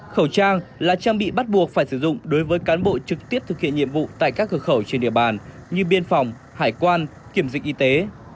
khẩu trang là trang bị bắt buộc phải sử dụng đối với cán bộ trực tiếp thực hiện nhiệm vụ tại các cửa khẩu trên địa bàn như biên phòng hải quan kiểm dịch y tế